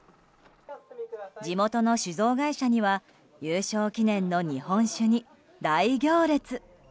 地元の酒造会社には優勝記念の日本酒に大行列。